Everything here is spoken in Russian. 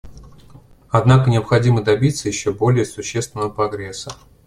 Однако необходимо добиться еще более существенного прогресса.